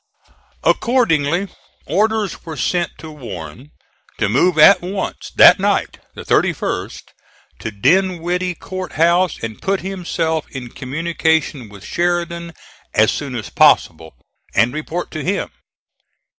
Accordingly orders were sent to Warren to move at once that night (the 31st) to Dinwiddie Court House and put himself in communication with Sheridan as soon as possible, and report to him.